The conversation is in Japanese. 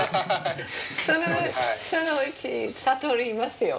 そのうち悟りますよ。